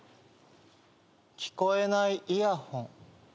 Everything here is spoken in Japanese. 聞こえないイヤホン。